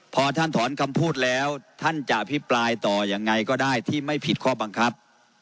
พอท่านถอนคำพูดแล้วท่านจะอภิปรายต่อยังไงก็ได้ที่ไม่ผิดข้อบังคับ